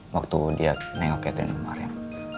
waktu dia nengok catherine kemarin